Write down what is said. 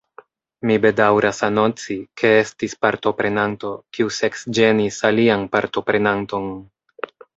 Mi bedaŭras anonci, ke estis partoprenanto, kiu seksĝenis alian partoprenanton.